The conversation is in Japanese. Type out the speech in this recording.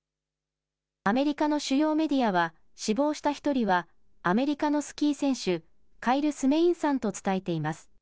アメリカの主要メディアは死亡した１人は、アメリカのスキー選手、カイル・スメインさんと伝えています。